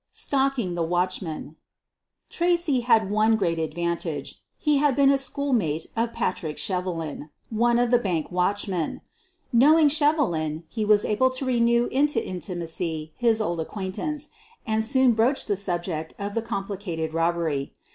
STALKING THE WATCHMAN Tracy had one great advantage — he had been a schoolmate of Patrick Shevelin, one of the bank 148 SOPHIE LYONS watchmen. Knowing Shevelin, he was able to renew into intimacy his old acquaintance, and soon broached the subject of the contemplated robbery.